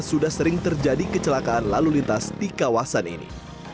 sudah sering terjadi kecelakaan lalu lintas di kawasan ini